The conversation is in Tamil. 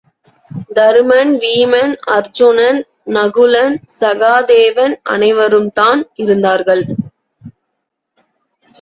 தருமன், வீமன், அருச்சுனன், நகுலன், சகாதேவன் அனைவரும்தான் இருந்தார்கள்.